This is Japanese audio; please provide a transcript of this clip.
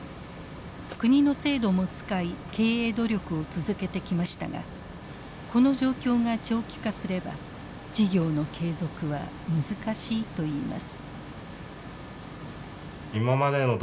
国の制度も使い経営努力を続けてきましたがこの状況が長期化すれば事業の継続は難しいといいます。